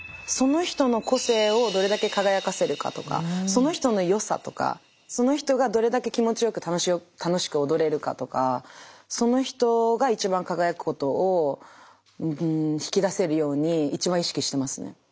その人の個性をどれだけ輝かせるかとかその人の良さとかその人がどれだけ気持ちよく楽しく踊れるかとかその人が一番輝くことを引き出せるように一番意識してますね。